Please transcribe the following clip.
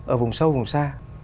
ở vùng sâu vùng xa